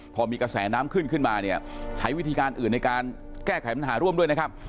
พอมีกระแสน้ำขึ้นขึ้นมาเนี่ยใช้วิธีการอื่นในการแก้ไขปัญหาร่วมด้วยนะครับ